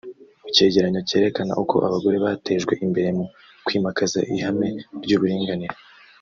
Mu cyegeranyo cyerekana uko abagore batejwe imbere mu kwimakaza ihame ry’uburinganire